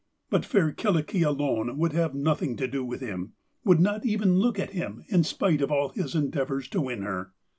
But fair Kyllikki alone would have nothing to do with him would not even look at him in spite of all his endeavours to win her.